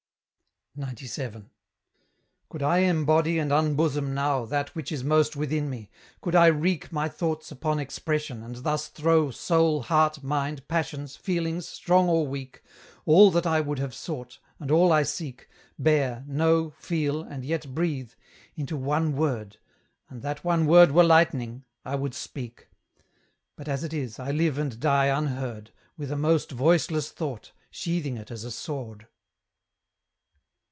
XCVII. Could I embody and unbosom now That which is most within me, could I wreak My thoughts upon expression, and thus throw Soul, heart, mind, passions, feelings, strong or weak, All that I would have sought, and all I seek, Bear, know, feel, and yet breathe into one word, And that one word were lightning, I would speak; But as it is, I live and die unheard, With a most voiceless thought, sheathing it as a sword.